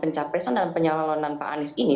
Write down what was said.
pencapresan dan pencalonan pak anis ini